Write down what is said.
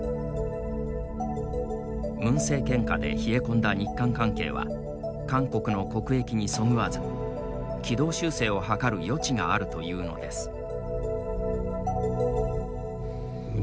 ムン政権下で冷え込んだ日韓関係は韓国の国益にそぐわず軌道修正を図る余地があるというのです。